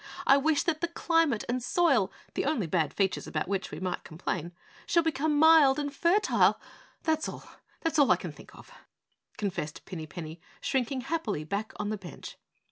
I wish that the climate and soil, the only bad features about which we might complain, shall become mild and fertile! That's all, that's all I can think of!" confessed Pinny Penny, shrinking happily back on the bench.